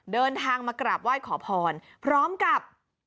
เดินทางมากราบไหว้ขอพรพร้อมกับ